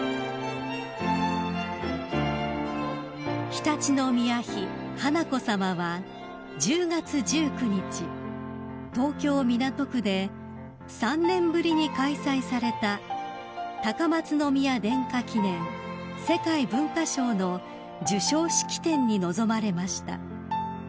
［常陸宮妃華子さまは１０月１９日東京港区で３年ぶりに開催された高松宮殿下記念世界文化賞の授賞式典に臨まれました］